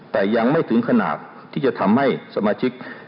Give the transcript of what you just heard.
แต่ยังไม่ถึงขนาดที่จะทำให้สมาชิก